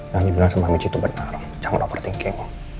yang dibilang sama michi itu benar jangan over thinking